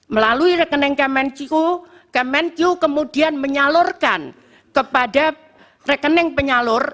melalui rekening kemenku kemenku kemudian menyalurkan kepada rekening penyalur